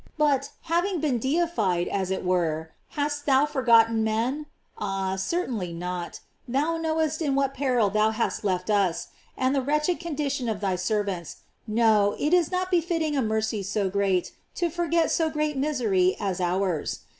But, having been deified, as it were, hast thou for gotten men? Ah, certainly not. Thou kuowest in what peril thou hast left us, and the wretched condition of thy servants; no, it is not befitting a mercy so great, to forget so great misery as ours.